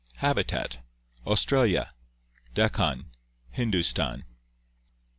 Habitat: Australia, Dekkan, Hindustan.